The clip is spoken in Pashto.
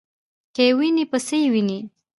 کې وینې په څه یې وینې ؟